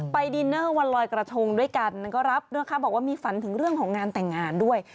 ดินเนอร์วันลอยกระทงด้วยกันก็รับนะคะบอกว่ามีฝันถึงเรื่องของงานแต่งงานด้วย